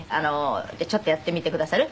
ちょっとやってみてくださる？